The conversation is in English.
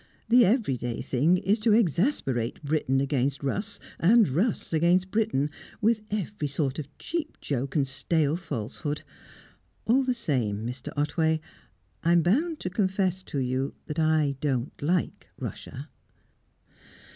The everyday thing is to exasperate Briton against Russ, and Russ against Briton, with every sort of cheap joke and stale falsehood. All the same Mr. Otway, I'm bound to confess to you that I don't like Russia."